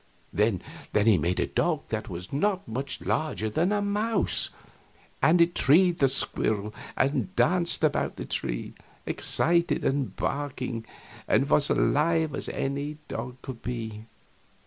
Then he made a dog that was not much larger than a mouse, and it treed the squirrel and danced about the tree, excited and barking, and was as alive as any dog could be.